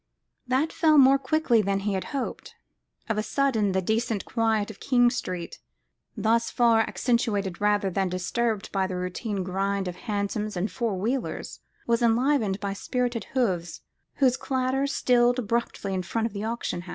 That fell more quickly than he had hoped. Of a sudden the decent quiet of King Street, thus far accentuated rather than disturbed by the routine grind of hansoms and four wheelers, was enlivened by spirited hoofs whose clatter stilled abruptly in front of the auction room.